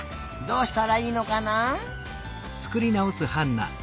どうしたらいいのかな？